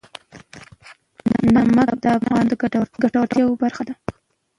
نمک د افغانانو د ګټورتیا برخه ده.